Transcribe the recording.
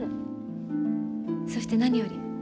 そして何より。